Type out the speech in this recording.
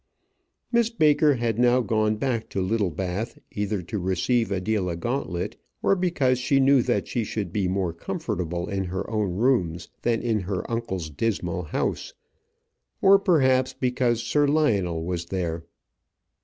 Miss Baker had now gone back to Littlebath, either to receive Adela Gauntlet, or because she knew that she should be more comfortable in her own rooms than in her uncle's dismal house or perhaps because Sir Lionel was there.